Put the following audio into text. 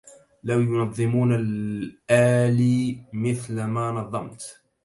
لو ينظمون اللآلي مثل ما نظمت